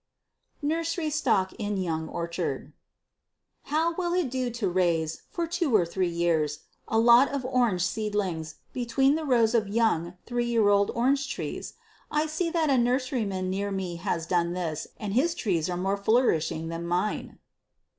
Nursery Stock in Young Orchard. How will it do to raise, for two or three years, a lot of orange seedlings between the rows of young three year old orange trees? I see that a nurseryman near me has done this, and his trees are more flourishing than mine.